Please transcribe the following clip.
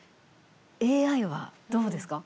ＡＩは、どうですか？